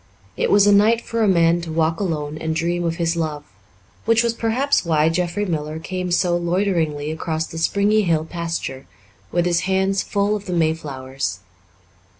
It was a night for a man to walk alone and dream of his love, which was perhaps why Jeffrey Miller came so loiteringly across the springy hill pasture, with his hands full of the mayflowers.